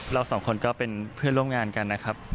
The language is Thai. เราสองคนก็เป็นเพื่อนร่วมงานกันนะครับ